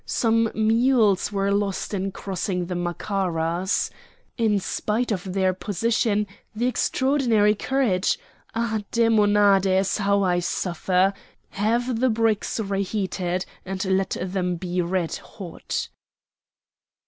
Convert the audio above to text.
Some mules were lost in crossing the Macaras. In spite of their position, the extraordinary courage—Ah! Demonades! how I suffer! Have the bricks reheated, and let them be red hot!"